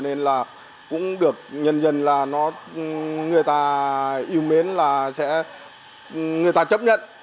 nên là cũng được dần dần là nó người ta yêu mến là sẽ người ta chấp nhận